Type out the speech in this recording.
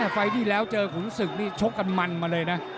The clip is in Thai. ไฟล์ที่แล้วเจอขุนศึกนี่ชกกันมันมาเลยนะ